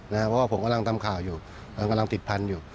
เพราะว่าผมกำลังทำข่าวอยู่กำลังติดพันธุ์อยู่